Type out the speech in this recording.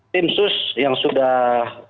tim sus yang sudah